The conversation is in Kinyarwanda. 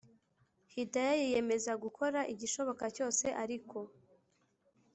hidaya yiyemeza gukora igishoboka cyose ariko